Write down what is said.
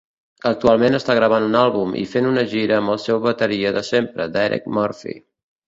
Actualment està gravant un àlbum i fent una gira amb el seu bateria de sempre, Derek Murphy.